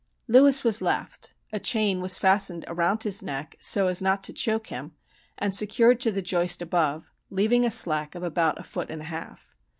Lewis was left. A chain was fastened around his neck, so as not to choke him, and secured to the joist above, leaving a slack of about a foot and a half.